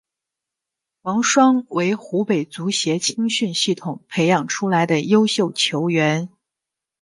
王霜为湖北足协青训系统培养出来的优秀球员。